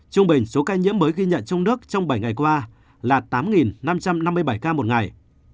trung bình số ca nhiễm mới ghi nhận trong nước trong bảy ngày qua là tám năm trăm năm mươi bảy ca một ngày